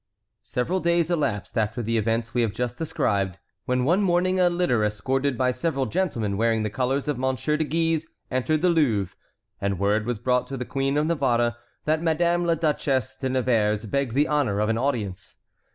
Several days elapsed after the events we have just described, when one morning a litter escorted by several gentlemen wearing the colors of Monsieur de Guise entered the Louvre, and word was brought to the Queen of Navarre that Madame la Duchesse de Nevers begged the honor of an audience.